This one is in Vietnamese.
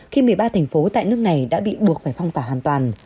khi một mươi ba thành phố tại nước này đã bị buộc phải phong tỏa hoàn toàn